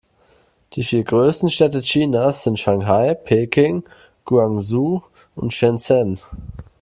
Die vier größten Städte Chinas sind Shanghai, Peking, Guangzhou und Shenzhen.